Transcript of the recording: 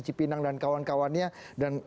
cipinang dan kawan kawannya dan